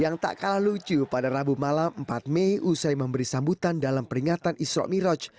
yang tak kalah lucu pada rabu malam empat mei usai memberi sambutan dalam peringatan isroq miroj